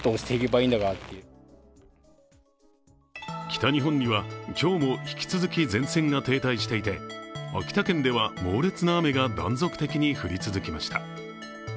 北日本には今日も引き続き前線が停滞していて、秋田県では、猛烈な雨が断続的に降り続きました。